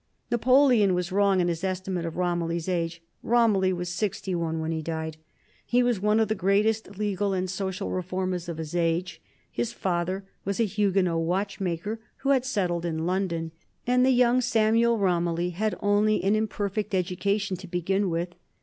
Napoleon was wrong in his estimate of Romilly's age. Romilly was sixty one when he died. He was one of the greatest legal and social reformers of his age. His father was a Huguenot watchmaker who had settled in London, and the young Samuel Romilly had only an imperfect education to begin with.